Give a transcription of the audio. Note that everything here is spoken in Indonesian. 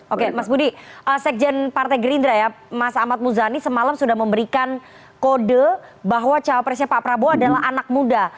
oke mas budi sekjen partai gerindra ya mas ahmad muzani semalam sudah memberikan kode bahwa cawapresnya pak prabowo adalah anak muda